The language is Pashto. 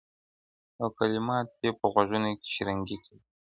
او کلمات یې په غوږونو کي شرنګی کوي -